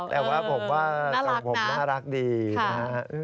แต่ว่าผมว่าทรงผมน่ารักดีนะฮะ